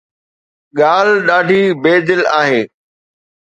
ڳالهه ڏاڍي بي دل آهي